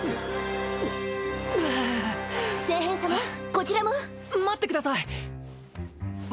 こちらも待ってください